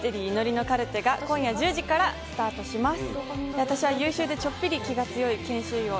『祈りのカルテ』が今夜１０時からスタートします。